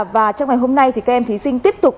và trong ngày hôm nay thì các em thí sinh tiếp tục